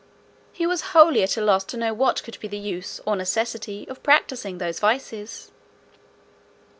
He was wholly at a loss to know what could be the use or necessity of practising those vices.